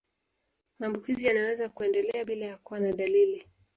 Maambukizi yanaweza kuendelea bila ya kuwa na dalili